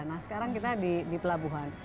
nah sekarang kita di pelabuhan